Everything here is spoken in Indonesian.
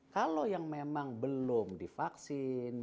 kalau yang memang belum divaksin